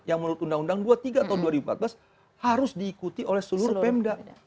yang menurut undang undang dua puluh tiga tahun dua ribu empat belas harus diikuti oleh seluruh pemda